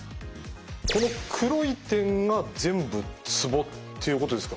この黒い点が全部ツボっていうことですか？